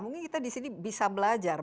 mungkin kita disini bisa belajar